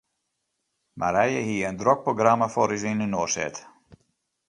Marije hie in drok programma foar ús yninoar set.